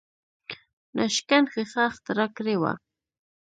ناشکن ښیښه اختراع کړې وه.